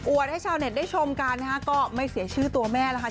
ให้ชาวเน็ตได้ชมกันนะคะก็ไม่เสียชื่อตัวแม่แล้วค่ะ